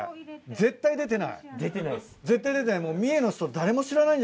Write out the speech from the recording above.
絶対出てないもう。